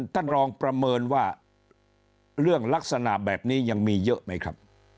ท่านรองประเมินว่าเรื่องลักษณะแบบนี้ยังมีเยอะไหมครับ